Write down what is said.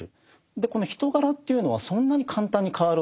この人柄というのはそんなに簡単に変わるわけではない。